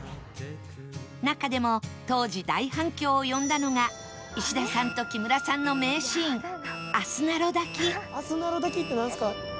中でも当時大反響を呼んだのが石田さんと木村さんの名シーン「あすなろ抱き」「あすなろ抱き」ってなんですか？